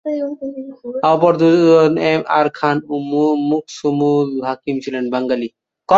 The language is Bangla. অপর দুজন এম আর খান ও মুকসুমুল হাকিম ছিলেন বাঙালি।